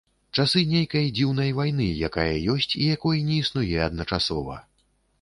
Часы нейкай дзіўнай вайны, якая ёсць, і якой не існуе адначасова.